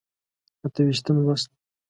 اته ویشتم لوست.